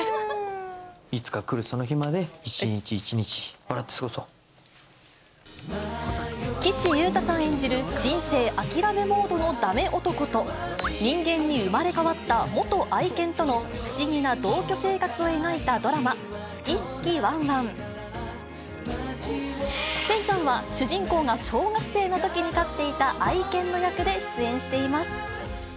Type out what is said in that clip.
いつか来るその日まで、岸優太さん演じる、人生諦めモードのダメ男と、人間に生まれ変わった元愛犬との不思議な同居生活を描いたドラマ、すきすきワンワン！てんちゃんは、主人公が小学生のときに飼っていた愛犬の役で出演しています。